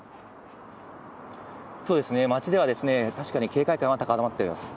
街では確かに警戒感は高まっています。